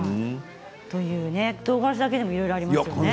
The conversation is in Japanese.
とうがらしだけでもいろいろありますね。